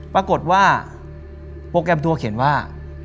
ปรากฏว่าโปรแกรมทัวร์เขียนว่า